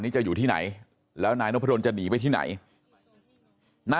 จะหนีไปที่ไหน